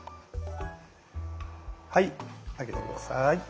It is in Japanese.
はい上げて下さい。